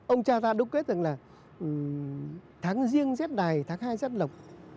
ông cha ta đúc kết rằng là tháng riêng rét đài tháng hai rét lọc